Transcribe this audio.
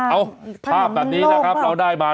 เอาภาพแบบนี้นะครับเราได้มา